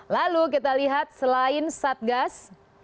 lalu kita lihat selain satgas